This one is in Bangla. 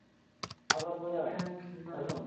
ফ্র্যাংক, না!